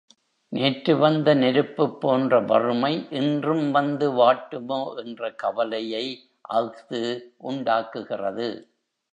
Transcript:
நேற்று வந்த நெருப்புப் போன்ற வறுமை இன்றும் வந்து வாட்டுமோ என்ற கவலையை அஃது உண்டாக்குகிறது.